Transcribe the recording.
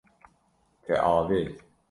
Te avêt.